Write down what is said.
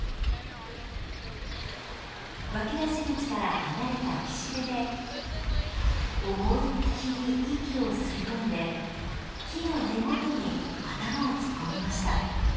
湧き出し口から離れた岸辺で思いっきり息を吸い込んで木の根元に頭を突っ込みました。